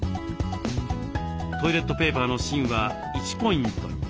トイレットペーパーの芯は１ポイントに。